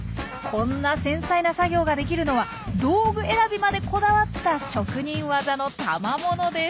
こんな繊細な作業ができるのは道具選びまでこだわった職人技のたまものです。